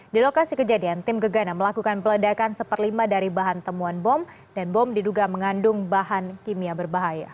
di lokasi kejadian tim gegana melakukan peledakan satu per lima dari bahan temuan bom dan bom diduga mengandung bahan kimia berbahaya